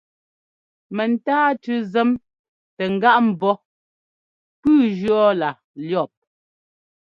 Mɛntáatʉ́ zɛ́m tɛ ŋ́gáꞌ mbɔ́ pʉ́ʉ jʉɔ́ lá lʉ̈ɔ́p!